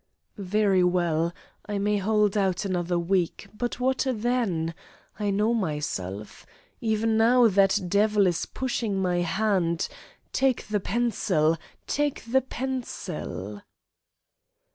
"Very well, I may hold out another week, but what then? I know myself. Even now that devil is pushing my hand: 'Take the pencil, take the pencil.